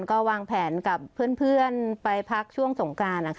ก็วางแผนกับเพื่อนไปพักช่วงสงกราน